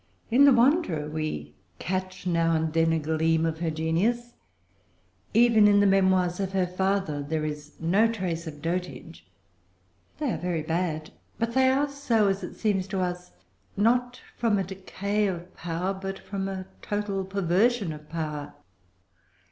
In The Wanderer we catch now and then a gleam of her genius. Even in the Memoirs of her father there is no trace of dotage. They are very bad; but they are so, as it seems to us, not from a decay of power, but from a total perversion of power.